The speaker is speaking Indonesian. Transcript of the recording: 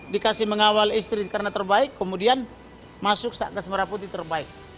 dikasih mengawal istri karena terbaik kemudian masuk ke semeraputi terbaik